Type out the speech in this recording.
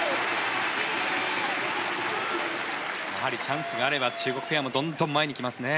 やはりチャンスがあれば中国ペアもどんどん前に来ますね。